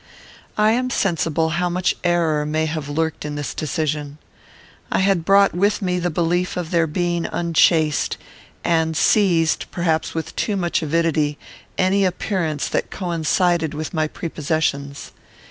I am sensible how much error may have lurked in this decision. I had brought with me the belief of their being unchaste; and seized, perhaps with too much avidity, any appearance that coincided with my prepossessions.